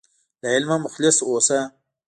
له علمه مخلص اوسه.